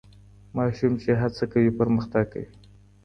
ماشوم چي هڅه کوي پرمختګ کوي.